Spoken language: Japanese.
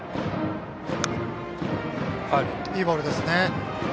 いいボールですね。